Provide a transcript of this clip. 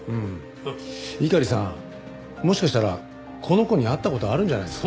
猪狩さんもしかしたらこの子に会った事あるんじゃないですか？